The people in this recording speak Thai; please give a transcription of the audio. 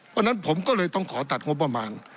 เพราะฉะนั้นผมก็เลยต้องขอตัดงบประมาณ